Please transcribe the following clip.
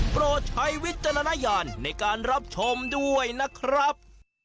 โปรดใช้วิจารณญาณในการรับชมด้วยนะครับ